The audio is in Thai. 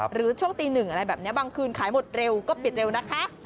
หรือช่วงตีหนึ่งอะไรแบบนี้บางคืนขายหมดเร็วก็ปิดเร็วนะคะ